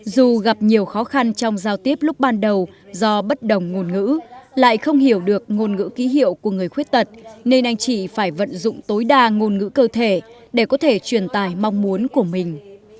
dù gặp nhiều khó khăn trong giao tiếp lúc ban đầu do bất đồng ngôn ngữ lại không hiểu được ngôn ngữ ký hiệu của người khuyết tật nên anh chị phải vận dụng tối đa ngôn ngữ cơ thể để có thể truyền tài mong muốn của mình